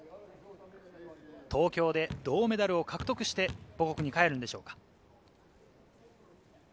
東京で銅メダルを獲得して母国に帰るんでしょうか。